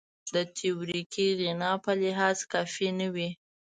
د تیوریکي غنا په لحاظ کافي نه وي.